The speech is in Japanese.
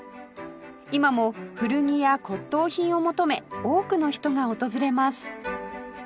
今も古着や骨董品を求め多くの人が訪れます